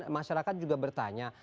masyarakat juga bertanya